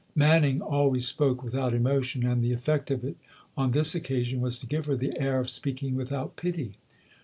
Manning always spoke without emotion, and the effect of it on this occasion was to give her the air of speaking without pity.